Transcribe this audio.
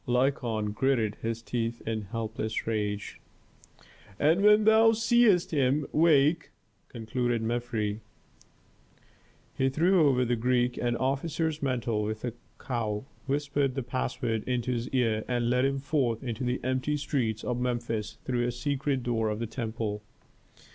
Lykon gritted his teeth in helpless rage. "And when thou seest him, wake," concluded Mefres. He threw over the Greek an officer's mantle with a cowl, whispered the password into his ear and led him forth to the empty streets of Memphis through a secret door of the temple.